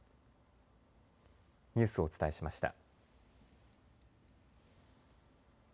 ニュースをお伝えしました。